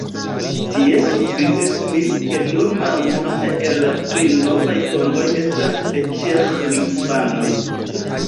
Tie surprizis min, ke nur malmultaj el la pli novaj tomboj estas de ĉeĥlingvanoj.